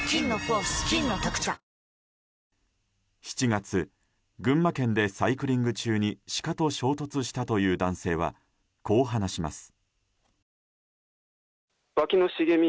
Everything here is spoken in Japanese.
７月、群馬県でサイクリング中にシカと衝突したという男性はこう話します。